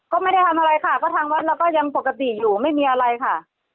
ก็ไม่ได้ทำอะไรค่ะก็ทางวัดเราก็ยังปกติอยู่ไม่มีอะไรค่ะ